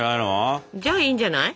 じゃあいいんじゃない。